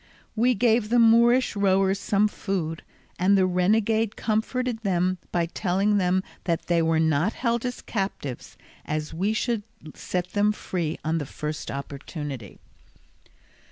We gave the Moorish rowers some food, and the renegade comforted them by telling them that they were not held as captives, as we should set them free on the first opportunity.